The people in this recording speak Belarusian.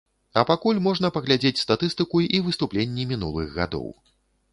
А пакуль можна паглядзець статыстыку і выступленні мінулых гадоў.